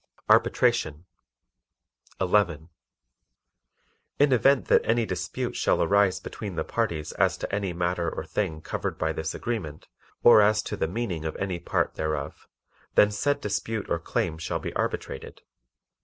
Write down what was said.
Arbitration 11. In event that any dispute shall arise between the parties as to any matter or thing covered by this agreement, or as to the meaning of any part thereof, then said dispute or claim shall be arbitrated.